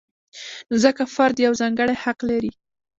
نو ځکه فرد یو ځانګړی حق لري.